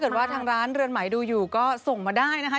ว่าทางร้านเรือนไหมดูอยู่ก็ส่งมาได้นะคะ